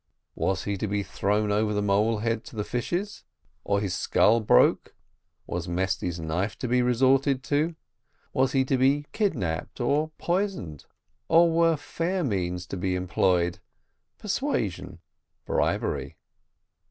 Was he to be thrown over the molehead to the fishes or his skull broke was Mesty's knife to be resorted to was he to be kidnapped or poisoned or were fair means to be employed persuasion, bribery?